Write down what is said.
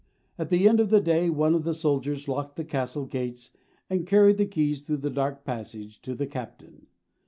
At the end of the day one of the soldiers locked the castle gates and carried the keys through the dark passage to the captain.